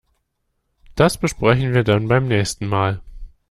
Das besprechen wir dann beim nächsten Mal.